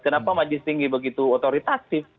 kenapa majlis tinggi begitu otoritas